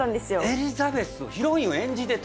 エリザベスヒロインを演じてた！？